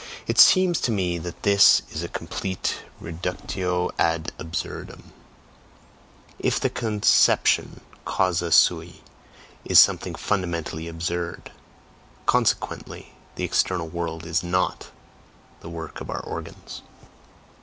It seems to me that this is a complete REDUCTIO AD ABSURDUM, if the conception CAUSA SUI is something fundamentally absurd. Consequently, the external world is NOT the work of our organs